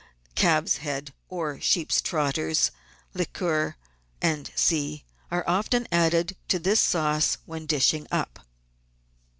calf's head or sheep's trotters liquor, &c., are often added to this sauce when dishing up.